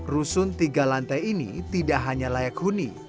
rusun tiga lantai ini tidak hanya layak huni